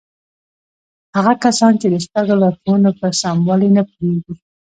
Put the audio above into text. هغه کسان چې د شپږو لارښوونو پر سموالي نه پوهېږي.